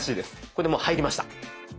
これでもう入りました。